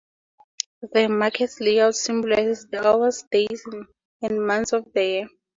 The market's layout symbolizes the hours, days, and months of the year.